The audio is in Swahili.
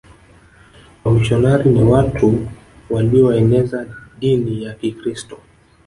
Wamisionari ni watu walioeneza dini ya kikiristo